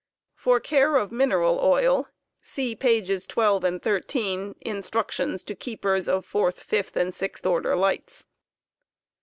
For care of mineral oil, see pages 12 and 13, "Instructions to Keepers of fourth, fifth, and sixth order lights."